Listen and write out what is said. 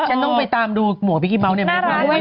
ฉันต้องไปตามดูหัวพิกิเบาะเนี่ยมันได้ไหม